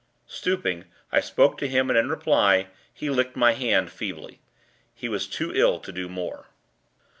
Stooping, I spoke to him, and, in reply, he licked my hand, feebly. He was too ill to do more.